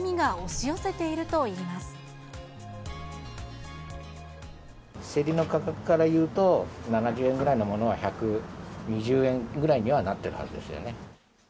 仕入れの価格から言うと、７０円ぐらいのものが１２０円ぐらいにはなっているはずですよね。